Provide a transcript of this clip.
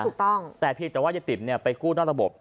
ถูกต้องแต่เพียงแต่ว่ายายติ๋มเนี่ยไปกู้นอกระบบ